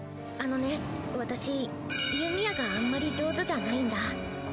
あのね私弓矢があんまり上手じゃないんだ。